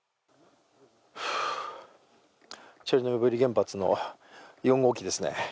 チョルノービリ原発の４号機ですね。